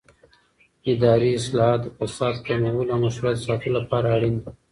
اداري اصلاحات د فساد کمولو او مشروعیت د ساتلو لپاره اړین دي